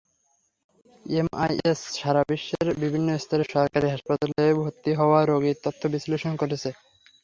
MIS সারা দেশের বিভিন্ন স্তরের সরকারি হাসপাতালে ভর্তি হওয়া রোগীর তথ্য বিশ্লেষণ করেছে।